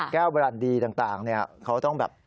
แก้วบารันดีต่างเนี่ยเขาต้องแบบ